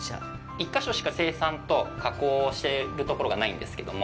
１か所しか、生産と加工をしているところがないんですけども。